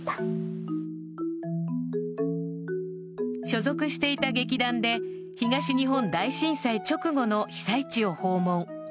所属していた劇団で東日本大震災直後の被災地を訪問。